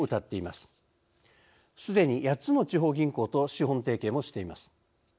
すでに８つの地方銀行と資本提携もしています。